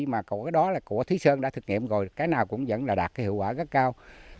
mà cái đó là của thúy sơn đã thực nghiệm rồi cái nào cũng vẫn là đạt hiệu quả rất cao